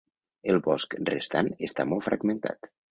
El bosc restant està molt fragmentat.